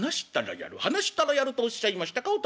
話したらやるとおっしゃいましたかお父っつぁん。